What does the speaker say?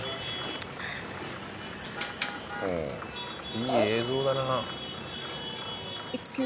いい映像だなあ。